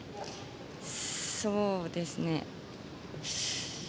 そうですね。